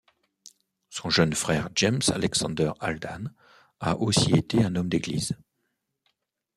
Son jeune frère James Alexander Haldane a aussi été un homme d'église.